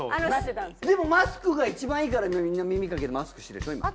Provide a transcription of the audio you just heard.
でもマスクが一番いいからみんな耳かけのマスクしてるでしょ。